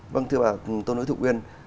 vâng thưa bà tôi nói thật quyền